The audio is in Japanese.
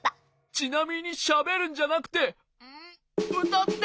ちなみにしゃべるんじゃなくてうたって！